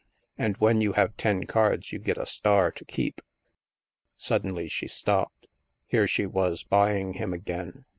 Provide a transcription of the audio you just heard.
And, when you have ten cards, you get a star to keep." Suddenly she stopped. Here she was buying him again.